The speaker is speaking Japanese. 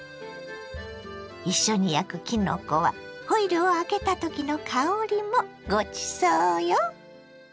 一緒に焼くきのこはホイルを開けたときの香りもごちそうよ。